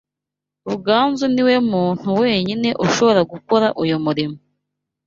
Ruganzu niwe muntu wenyine ushobora gukora uyu murimo.